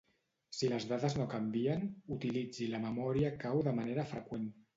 Si les dades no canvien, utilitzi la memòria cau de manera freqüent.